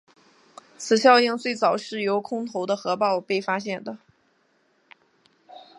此效应最早是由空投的核爆被发现的。